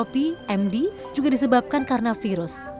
bukan karena virus